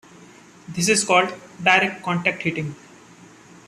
This is called "direct contact heating".